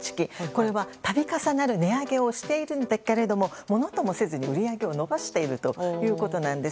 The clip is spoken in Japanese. これは度重なる値上げをしているんだけれどもものともせずに売り上げを伸ばしているということなんです。